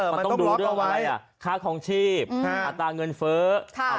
มันต้องดูเรื่องอะไรอ่ะค่าคลองชีพอัตราเงินเฟ้อ